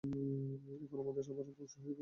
এখন আমাদের আবার, হয়ে বন্ধু থাকতে হবে।